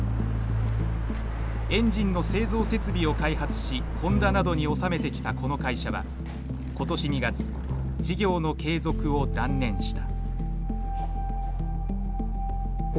エンジンの製造設備を開発しホンダなどに納めてきたこの会社は今年２月事業の継続を断念した。